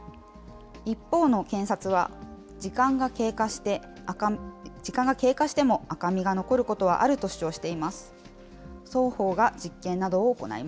一方の検察は、時間が経過しても、時間が経過しても赤みが残ることはあると主張しています。